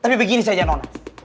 tapi begini saja nona